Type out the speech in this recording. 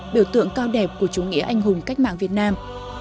biểu tượng cao đẹp của chủ nghĩa anh hùng cách mạng việt nam